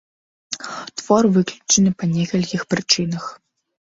Твор выключны па некалькіх прычынах.